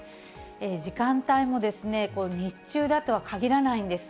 時間帯も日中だとはかぎらないんです。